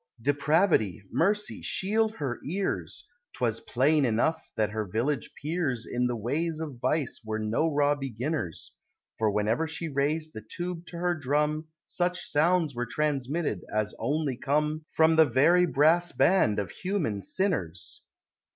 Depravity! mercy shield her ears! 'Twas plain enough that her village peers In the ways of vice were no raw beginners; For whenever she raised the tube to her drum Such sounds were transmitted as only come From the very Brass Band of human sinners!